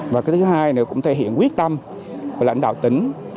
và cái thứ hai nữa cũng thể hiện quyết tâm của lãnh đạo tỉnh